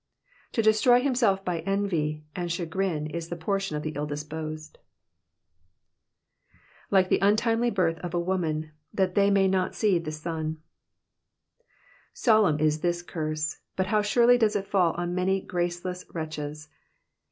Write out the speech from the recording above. To destroy himself by envy and chagrin is the portion of the ill disposed. * '^LiJce the untimely birth of a teaman, thai they may not see the sun. '' Solemn is this curse, but how surely does it fall on many graceless wretches